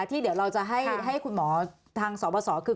ที่เดี๋ยวเราจะให้คุณหมอทางสบสคือ